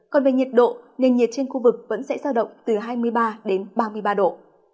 còn về nhiệt độ nền nhiệt trên khu vực vẫn sẽ giao động từ hai mươi ba đến ba mươi ba độ